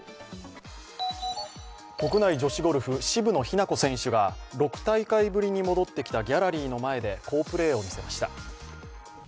国内女子ゴルフ、渋野日向子選手が６大会ぶりに戻ってきたギャラリーの前で好プレーを見せました。